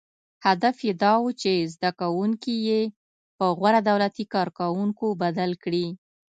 • هدف یې دا و، چې زدهکوونکي یې په غوره دولتي کارکوونکو بدل کړي.